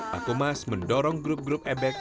pak pumas mendorong grup grup ebek